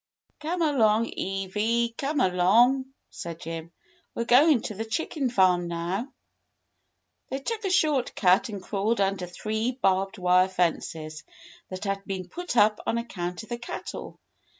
"Come along, Ewy, come along," said Jim, "we're going to the chicken farm now." They took a short cut and crawled under three barbed wire fences that had been put up on account of the cattle.